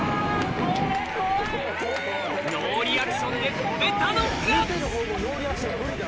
ノーリアクションで飛べたのか？